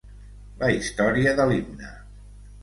La història de l’himne.